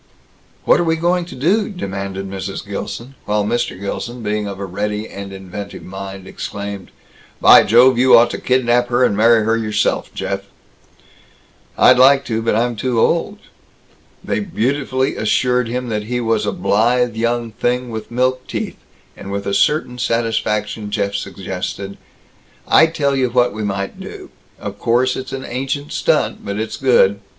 "What are we going to do?" demanded Mrs. Gilson; while Mr. Gilson, being of a ready and inventive mind, exclaimed, "By Jove, you ought to kidnap her and marry her yourself, Jeff!" "I'd like to. But I'm too old." They beautifully assured him that he was a blithe young thing with milk teeth; and with a certain satisfaction Jeff suggested, "I tell you what we might do. Of course it's an ancient stunt, but it's good.